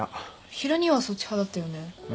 ヒロ兄はそっち派だったよね。